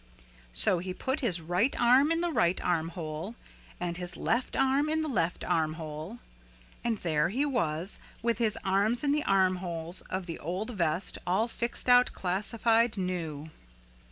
So he put his right arm in the right armhole and his left arm in the left armhole. And there he was with his arms in the armholes of the old vest all fixed out classified new.